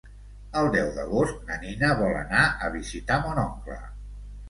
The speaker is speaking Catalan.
El deu d'agost na Nina vol anar a visitar mon oncle.